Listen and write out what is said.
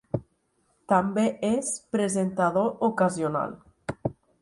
També és presentador ocasional.